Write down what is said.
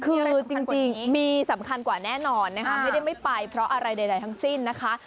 คือจริงมีสำคัญกว่าแน่นอนนะคะไม่ได้ไม่ไปเพราะอะไรใดทั้งสิ้นนะคะ